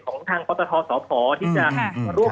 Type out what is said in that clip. ของทางพศภที่จะ